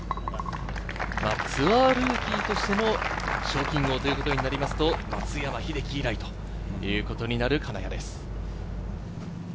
ツアールーキーとしての賞金王ということになりますと松山英樹以来ということになる金谷です。